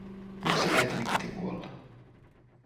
Miksi äitini piti kuolla?